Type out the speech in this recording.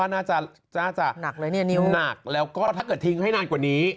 อันนี้พี่พูดว่าน่าจะหนักแล้วก็ถ้าทิ้งให้นานกว่านี้